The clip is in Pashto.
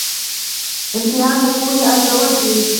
ازموینه د پوهې ارزول دي.